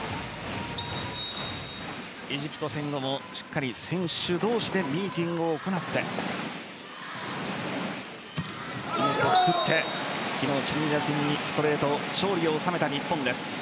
エジプト戦後もしっかり選手同士でミーティングを行って気持ちをつくって昨日、チュニジア戦にストレート勝利を収めた日本です。